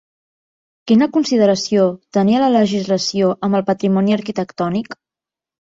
Quina consideració tenia la legislació amb el patrimoni arquitectònic?